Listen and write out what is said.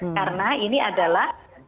karena ini adalah